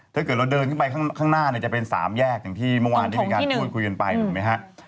ถ้าเกิดเราเดินขึ้นไปข้างหน้าเนี่ยจะเป็น๓แยกอย่างที่เมื่อวานได้มีการพูดคุยกันไปถูกไหมฮะ